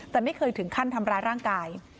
แต่ไม่เคยถึงขั้นทำร้ายร่างกาย